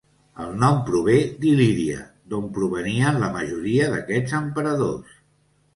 El nom prové d'Il·líria d'on provenien la majoria d'aquests emperadors.